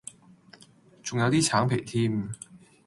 仲有啲橙皮添